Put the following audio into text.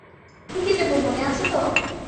কী কী নেব মনে আছে তো?